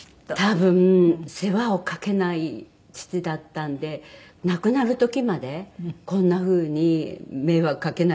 多分世話をかけない父だったので亡くなる時までこんな風に迷惑かけないっていうか